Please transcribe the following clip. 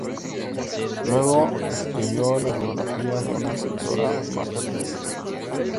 Luego, escribió la biografía de una pintora, "Martha Telles.